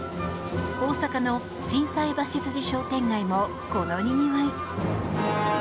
大阪の心斎橋筋商店街もこのにぎわい。